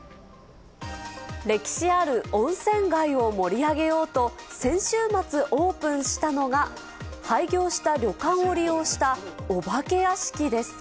歴史ある温泉街を盛り上げようと、先週末オープンしたのが、廃業した旅館を利用したお化け屋敷です。